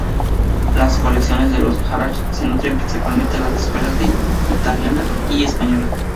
Las colecciones de los Harrach se nutren principalmente de las escuelas italiana y española.